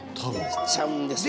できちゃうんですよね。